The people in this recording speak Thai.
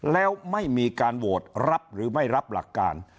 แล้วไม่มีการโหวตรับหรือไม่รับหลักการ